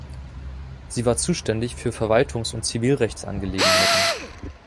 Sie war zuständig für Verwaltungs- und Zivilrechtsangelegenheiten.